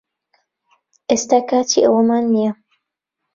ئێستا کاتی ئەوەمان نییە